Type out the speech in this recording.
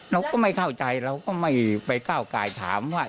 เราก็ไม่เข้าใจเราก็ไม่ไปก้าวกายถามว่า